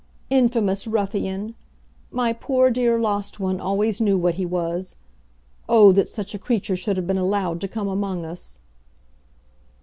"Infamous ruffian! My poor dear lost one always knew what he was. Oh that such a creature should have been allowed to come among us."